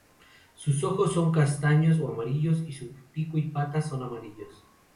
Sus ojos son castaños o amarillos, y su pico y patas son amarillos.